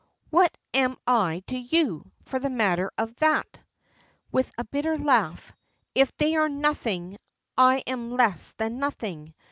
"What am I to you, for the matter of that?" with a bitter laugh, "if they are nothing I am less than nothing.